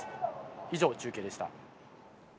以上、中継でした。